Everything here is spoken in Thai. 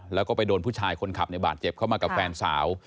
แล้วก็ไปโดนผู้ชายคนขับในบาดเจ็บเข้ามากับแฟนสาว